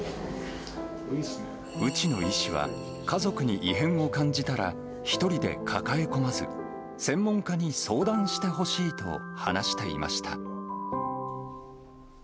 内野医師は、家族に異変を感じたら、一人で抱え込まず、専門家に相談してほしいと話していました。